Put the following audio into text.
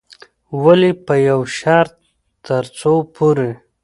ولې په يوه شرط، ترڅو پورې